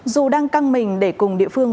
dù đang căng mình để cùng địa phương